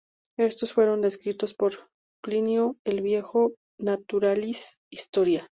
Estos fueron descritos por Plinio el Viejo en "Naturalis historia".